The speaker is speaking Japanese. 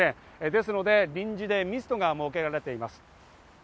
ですので、臨時でミストが設けられています。